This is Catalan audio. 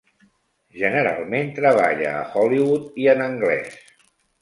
Generalment treballa a Hollywood i en anglès.